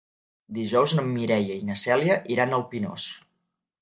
Dijous na Mireia i na Cèlia iran al Pinós.